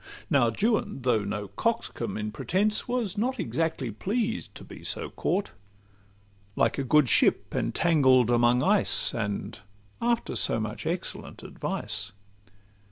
Now Juan, though no coxcomb in pretence, Was not exactly pleased to be so caught; Like a good ship entangled among ice, And after so much excellent advice.